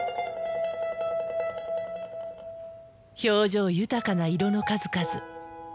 表情豊かな色の数々。